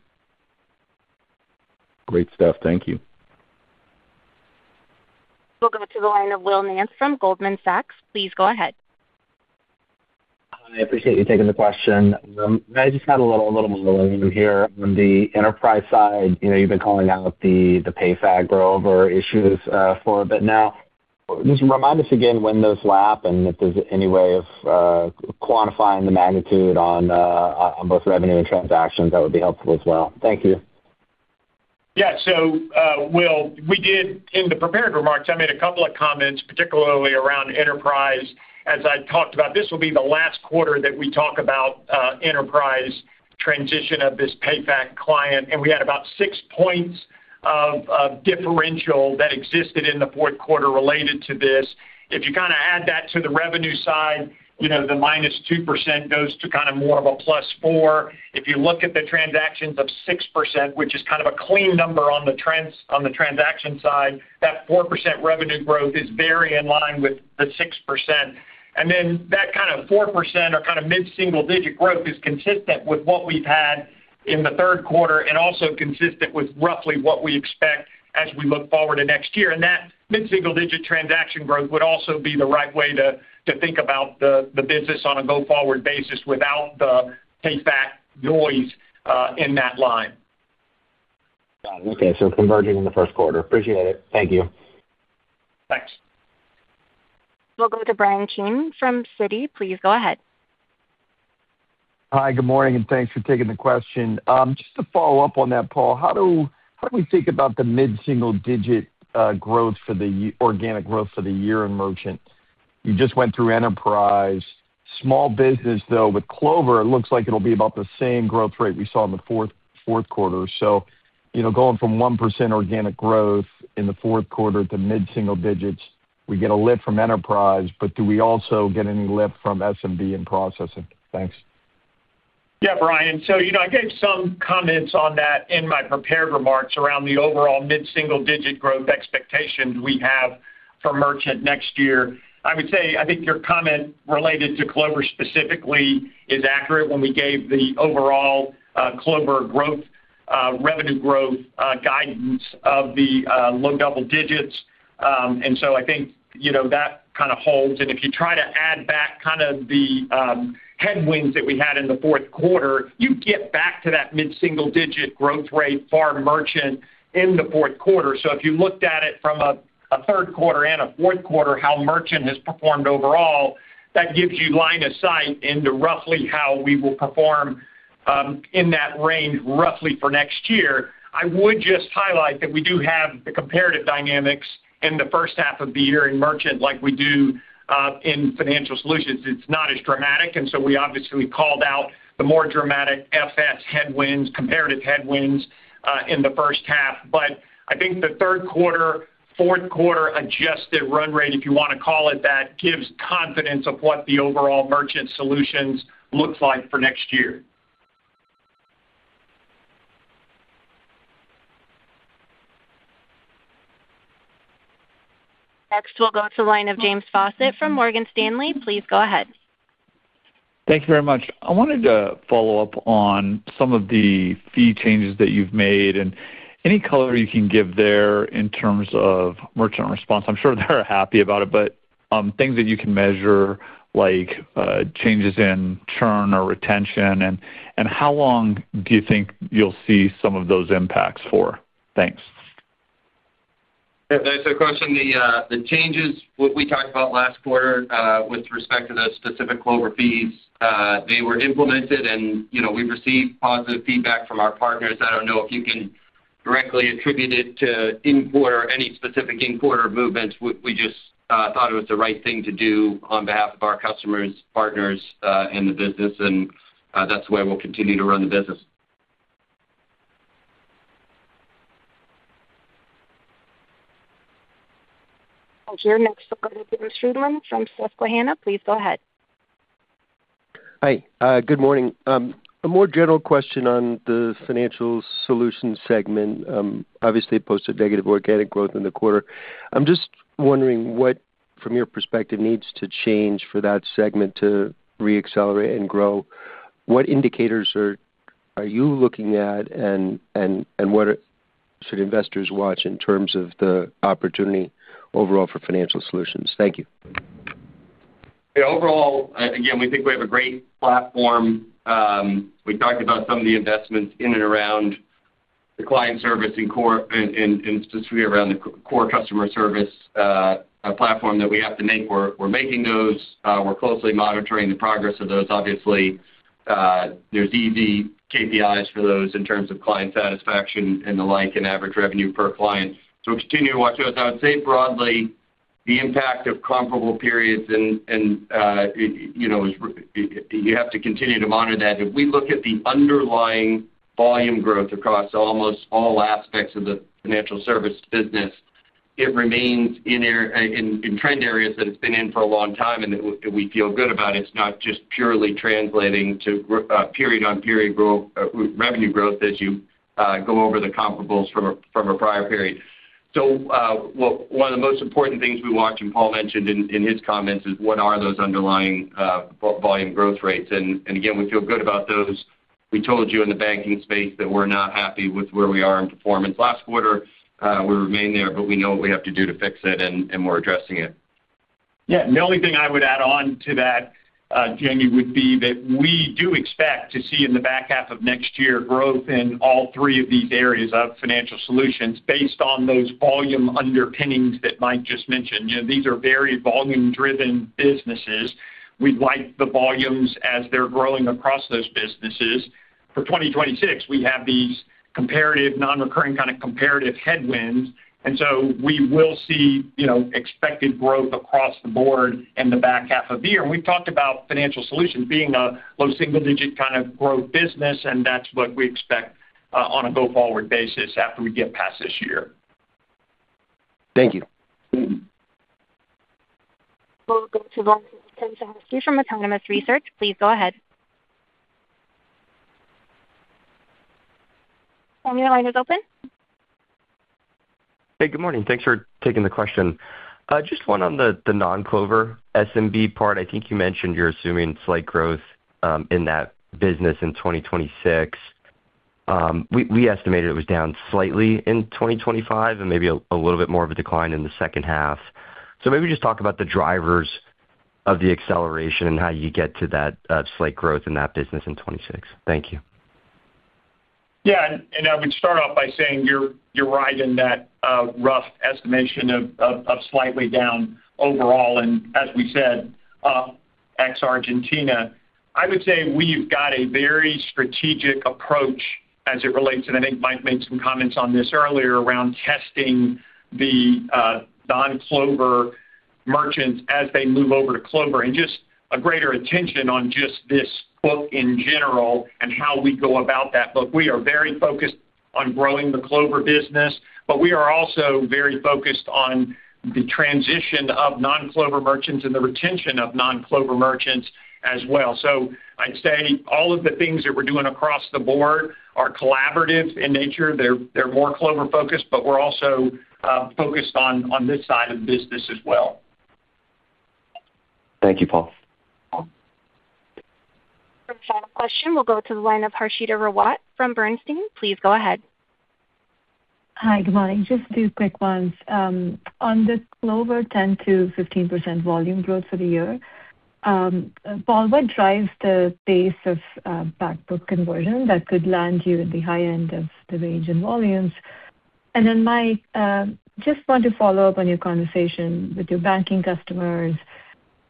Great stuff. Thank you. We'll go to the line of Will Nance from Goldman Sachs. Please go ahead. Hi. I appreciate you taking the question. I just had a little monologue in here on the enterprise side. You know, you've been calling out the PayFac grow-over issues for a bit. Now, just remind us again when those lap and if there's any way of quantifying the magnitude on both revenue and transactions. That would be helpful as well. Thank you. Yeah. So, Will, we did in the prepared remarks, I made a couple of comments, particularly around enterprise. As I talked about, this will be the last quarter that we talk about, enterprise transition of this PayFac client. And we had about 6 points of, of differential that existed in the fourth quarter related to this. If you kinda add that to the revenue side, you know, the -2% goes to kinda more of a +4. If you look at the transactions of 6%, which is kind of a clean number on the trends on the transaction side, that 4% revenue growth is very in line with the 6%. And then that kinda 4% or kinda mid-single digit growth is consistent with what we've had in the third quarter and also consistent with roughly what we expect as we look forward to next year. That mid-single-digit transaction growth would also be the right way to think about the business on a go-forward basis without the PayFac noise in that line. Got it. Okay. So converging in the first quarter. Appreciate it. Thank you. Thanks. We'll go to Bryan Keane from Citi. Please go ahead. Hi. Good morning. And thanks for taking the question. Just to follow up on that, Paul, how do we think about the mid-single-digit growth for the year organic growth for the year in merchant? You just went through enterprise. Small business, though, with Clover, it looks like it'll be about the same growth rate we saw in the fourth quarter. So, you know, going from 1% organic growth in the fourth quarter to mid-single digits, we get a lift from enterprise. But do we also get any lift from SMB in processing? Thanks. Yeah, Brian. So, you know, I gave some comments on that in my prepared remarks around the overall mid-single digit growth expectations we have for merchant next year. I would say I think your comment related to Clover specifically is accurate when we gave the overall Clover growth, revenue growth, guidance of the low double digits. And so I think, you know, that kinda holds. And if you try to add back kinda the headwinds that we had in the fourth quarter, you get back to that mid-single digit growth rate for merchant in the fourth quarter. So if you looked at it from a third quarter and a fourth quarter, how merchant has performed overall, that gives you line of sight into roughly how we will perform in that range roughly for next year. I would just highlight that we do have the comparative dynamics in the first half of the year in Merchant Solutions like we do in Financial Solutions. It's not as dramatic. And so we obviously called out the more dramatic FS headwinds, comparative headwinds, in the first half. But I think the third quarter, fourth quarter adjusted run rate, if you wanna call it that, gives confidence of what the overall Merchant Solutions look like for next year. Next, we'll go to the line of James Faucette from Morgan Stanley. Please go ahead. Thank you very much. I wanted to follow up on some of the fee changes that you've made and any color you can give there in terms of merchant response. I'm sure they're happy about it. But, things that you can measure like, changes in churn or retention and how long do you think you'll see some of those impacts for? Thanks. Yeah. That's a question. The changes we talked about last quarter, with respect to the specific Clover fees, they were implemented. And, you know, we've received positive feedback from our partners. I don't know if you can directly attribute it to in-quarter or any specific in-quarter movements. We just thought it was the right thing to do on behalf of our customers, partners, and the business. And, that's the way we'll continue to run the business. Thank you. Next, we'll go to James Friedman from Susquehanna. Please go ahead. Hi. Good morning. A more general question on the Financial Solutions segment. Obviously, it posted negative organic growth in the quarter. I'm just wondering what, from your perspective, needs to change for that segment to reaccelerate and grow. What indicators are you looking at? And what should investors watch in terms of the opportunity overall for Financial Solutions? Thank you. Yeah. Overall, again, we think we have a great platform. We talked about some of the investments in and around the client service and core and, specifically around the core customer service platform that we have to make. We're making those. We're closely monitoring the progress of those. Obviously, there's easy KPIs for those in terms of client satisfaction and the like and average revenue per client. So continue to watch those. I would say broadly, the impact of comparable periods and, you know, is you have to continue to monitor that. If we look at the underlying volume growth across almost all aspects of the financial service business, it remains in trend areas that it's been in for a long time. And that we feel good about. It's not just purely translating to grow period-on-period growth revenue growth as you go over the comparables from a prior period. So, one of the most important things we watch and Paul mentioned in his comments is what are those underlying volume growth rates. And again, we feel good about those. We told you in the banking space that we're not happy with where we are in performance last quarter. We remain there. But we know what we have to do to fix it. And we're addressing it. Yeah. And the only thing I would add on to that, Jamie, would be that we do expect to see in the back half of next year growth in all three of these areas of Financial Solutions based on those volume underpinnings that Mike just mentioned. You know, these are very volume-driven businesses. We'd like the volumes as they're growing across those businesses. For 2026, we have these comparative non-recurring kinda comparative headwinds. And so we will see, you know, expected growth across the board in the back half of the year. And we've talked about Financial Solutions being a low-single-digit kinda growth business. And that's what we expect, on a go-forward basis after we get past this year. Thank you. We'll go to Kenneth Suchoski from Autonomous Research. Please go ahead. Ken, your line is open. Hey. Good morning. Thanks for taking the question. Just one on the non-Clover SMB part. I think you mentioned you're assuming slight growth in that business in 2026. We estimated it was down slightly in 2025 and maybe a little bit more of a decline in the second half. So maybe just talk about the drivers of the acceleration and how you get to that slight growth in that business in 2026. Thank you. Yeah. And I would start off by saying you're right in that rough estimation of slightly down overall. And as we said, ex-Argentina, I would say we've got a very strategic approach as it relates to and I think Mike made some comments on this earlier around testing the non-Clover merchants as they move over to Clover and just a greater attention on just this book in general and how we go about that book. We are very focused on growing the Clover business. But we are also very focused on the transition of non-Clover merchants and the retention of non-Clover merchants as well. So I'd say all of the things that we're doing across the board are collaborative in nature. They're more Clover-focused. But we're also focused on this side of the business as well. Thank you, Paul. For the final question, we'll go to the line of Harshita Rawat from Bernstein. Please go ahead. Hi. Good morning. Just two quick ones. On the Clover, 10%-15% volume growth for the year. Paul, what drives the pace of back book conversion that could land you in the high end of the range in volumes? And then, Mike, just want to follow up on your conversation with your banking customers.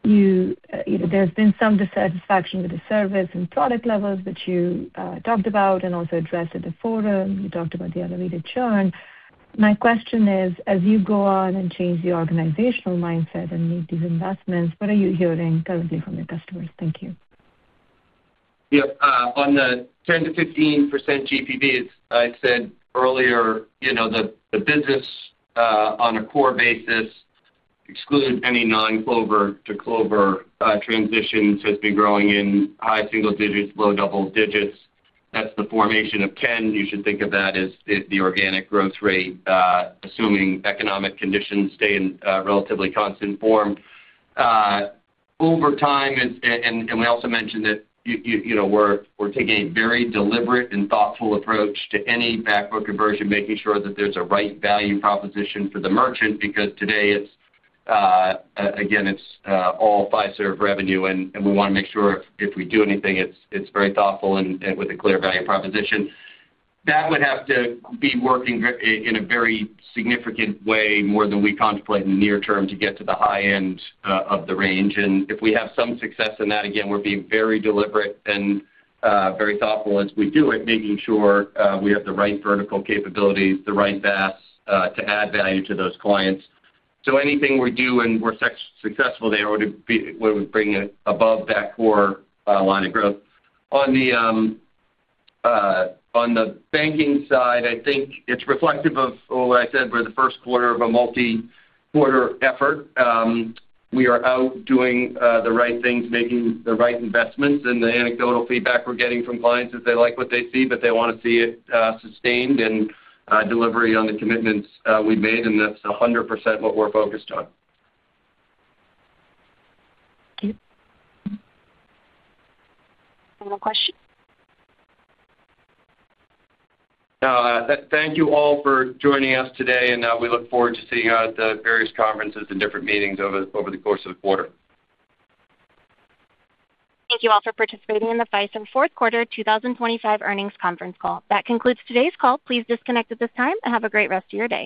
You know, there's been some dissatisfaction with the service and product levels which you talked about and also addressed at the forum. You talked about the elevated churn. My question is, as you go on and change your organizational mindset and make these investments, what are you hearing currently from your customers? Thank you. Yeah. On the 10%-15% GPVs, I said earlier, you know, the business, on a core basis, exclude any non-Clover to Clover transitions has been growing in high single digits, low double digits. That's the formation of 10. You should think of that as the organic growth rate, assuming economic conditions stay in relatively constant form. Over time, it's, and we also mentioned that you know, we're taking a very deliberate and thoughtful approach to any backbook conversion, making sure that there's a right value proposition for the merchant. Because today, it's, again, it's all Fiserv's revenue. And we wanna make sure if we do anything, it's very thoughtful and with a clear value proposition. That would have to be working in a very significant way more than we contemplate in the near term to get to the high end of the range. And if we have some success in that, again, we're being very deliberate and very thoughtful as we do it, making sure we have the right vertical capabilities, the right VAS, to add value to those clients. So anything we do and we're successful there, we'll be bringing it above that core line of growth. On the banking side, I think it's reflective of, well, what I said where the first quarter of a multi-quarter effort. We are out doing the right things, making the right investments. And the anecdotal feedback we're getting from clients is they like what they see. But they wanna see it sustained and delivery on the commitments we've made. That's 100% what we're focused on. Thank you. Final question? No, thank you all for joining us today. We look forward to seeing you at the various conferences and different meetings over the course of the quarter. Thank you all for participating in the Fiserv fourth quarter 2025 earnings conference call. That concludes today's call. Please disconnect at this time. Have a great rest of your day.